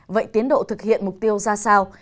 vậy tiến độ thực hiện mục tiêu ra sao